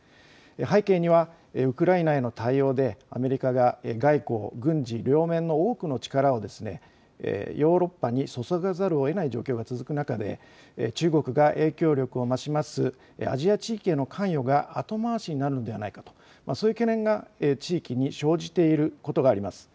背景にはウクライナへの対応でアメリカが外交、軍事両面の多くの力をヨーロッパに注がざるをえない状況が続く中で中国が影響力を増すアジア地域への関与が後回しになるんじゃないか、そういう懸念が地域に生じていることがあります。